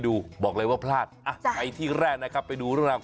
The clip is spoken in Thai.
บางคนเหมือนคุยกับงูคุยกับตัวเงินตัวคลอง